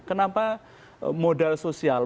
kenapa modal sosial